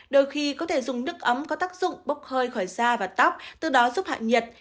đôi khi có thể dùng nước ấm có tác dụng bốc hơi khỏi da và tóc từ đó giúp hạ nhiệt